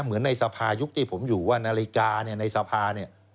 เหมือนในสภาพยุคที่ผมอยู่ว่านาฬิกาย์เนี่ยในสภาพนี้